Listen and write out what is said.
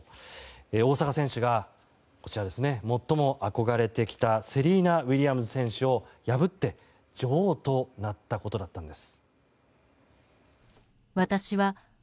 大坂選手が最も憧れてきたセリーナ・ウィリアムズ選手を破って女王となったことだったんです。